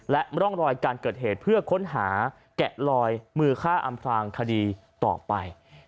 และร่องรอยการเกิดเหตุเพื่อค้นหาแกะลอยมือฆ่าอำพลางคดีต่อไป